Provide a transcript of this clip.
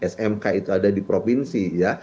smk itu ada di provinsi ya